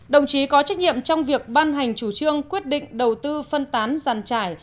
đồng chí có trách nhiệm trong việc ban hành chủ trương quyết định đầu tư phân tán giàn trải